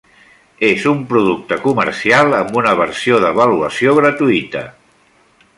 És un producte comercial amb una versió d'avaluació gratuïta.